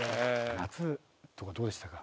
夏とかどうでしたか？